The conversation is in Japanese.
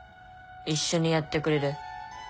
一緒にやってくれる？